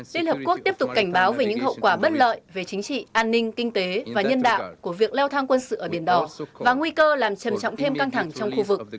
liên hợp quốc tiếp tục cảnh báo về những hậu quả bất lợi về chính trị an ninh kinh tế và nhân đạo của việc leo thang quân sự ở biển đỏ và nguy cơ làm trầm trọng thêm căng thẳng trong khu vực